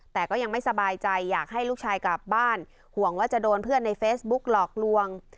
แต่ก็ยังไม่สบายใจอยากให้ลูกชายกลับบ้านห่วงว่าจะโดนเพื่อนในเฟซบุ๊กหลอกลวง